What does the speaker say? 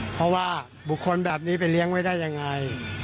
เพราะว่าบุคคลแบบนี้ไปเลี้ยงไว้ได้ยังไง